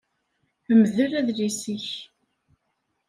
Mdel adlis-ik